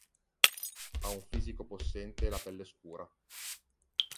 Ha un fisico possente e la pelle scura.